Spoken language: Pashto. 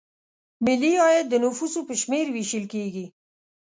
ملي عاید د نفوسو په شمېر ویشل کیږي.